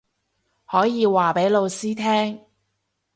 可以話畀老師聽